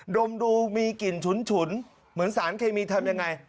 มดูมีกลิ่นฉุนเหมือนสารเคมีทำยังไง